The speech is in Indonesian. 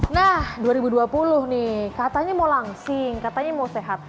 nah dua ribu dua puluh nih katanya mau langsing katanya mau sehat